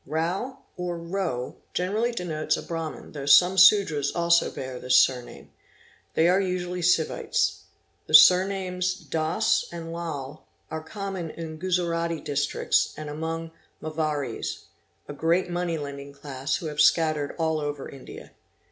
Mao or Row generally denotes a Brahmin though some Sudras also bear this surname. They are usually Sivites. The surnames Doss and Lal are common in Guzarati Districts and among Marvaries, a great money lending class who have scattered all over India.